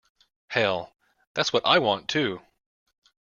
Hell, that's what I want too.